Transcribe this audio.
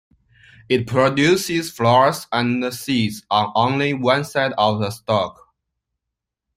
It produces flowers and seeds on only one side of the stalk.